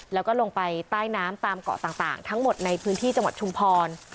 แล้วก็ลงไปใต้น้ำตามเกาะต่างทั้งหมดในพื้นที่จังหวัดชุมพร